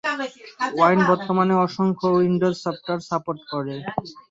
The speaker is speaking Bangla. ওয়াইন বর্তমানে অসংখ্য উইন্ডোজ সফটওয়্যার সাপোর্ট করে।